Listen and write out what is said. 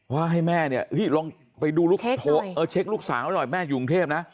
ว่าให้แม่เนี่ยลองไปดูลูกสาวด้วยหน่อยแม่อยู่กรุงเทพฯนะ